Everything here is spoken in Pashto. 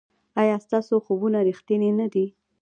ایا ستاسو خوبونه ریښتیني نه دي؟